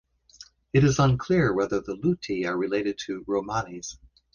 It is unclear whether the Luti are related to Romanis.